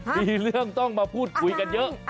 มีเรื่องต้องมาพูดคุยกันเยอะ